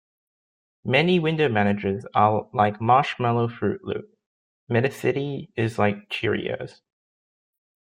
Many window managers are like Marshmallow Froot Loops; Metacity is like Cheerios.